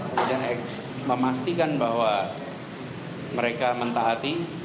kemudian memastikan bahwa mereka mentah hati